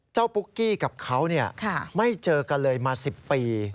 เจ้าปุ๊กกี้กับเขาเนี่ยไม่เจอกันเลยมา๑๐ปี